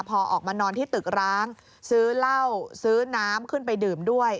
พอออกมานอนที่ตึกร้างซื้อเหล้าซื้อน้ำขึ้นไปดื่มด้วย